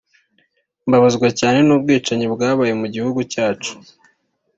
Mbabazwa cyane n’ubwicanyi bwabaye mu gihugu cyacu